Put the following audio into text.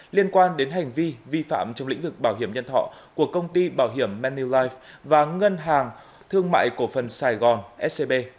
liên quan đến hành vi vi phạm trong lĩnh vực bảo hiểm nhân thọ của công ty bảo hiểm man new life và ngân hàng thương mại cổ phần sài gòn scb